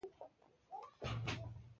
ایا ستاسو سترګې له ګناه پاکې نه دي؟